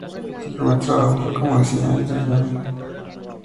Su primer trabajo fue como diseñadora de interiores.